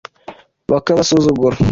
bakabasuzugura